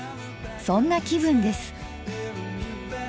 そんな気分です。